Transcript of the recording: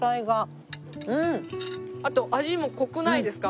あと味も濃くないですか？